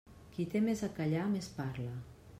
Qui té més a callar més parla.